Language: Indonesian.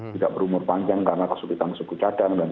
tidak berumur panjang karena kesulitan suku cadang gitu ya